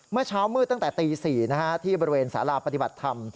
เมื่อเช้ามืดตั้งแต่ตี๔ที่บริเวณสาราปฏิบัติธรรม